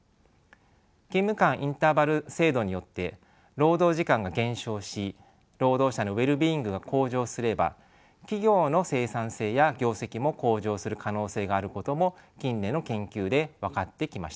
勤務間インターバル制度によって労働時間が減少し労働者のウェルビーイングが向上すれば企業の生産性や業績も向上する可能性があることも近年の研究で分かってきました。